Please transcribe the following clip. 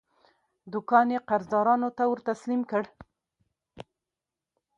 دوکان یې قرضدارانو ته ورتسلیم کړ.